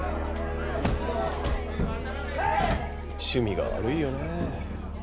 趣味が悪いよねえ。